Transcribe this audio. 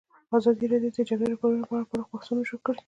ازادي راډیو د د جګړې راپورونه په اړه پراخ بحثونه جوړ کړي.